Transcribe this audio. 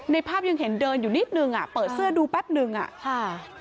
ภาพยังเห็นเดินอยู่นิดนึงอ่ะเปิดเสื้อดูแป๊บหนึ่งอ่ะค่ะ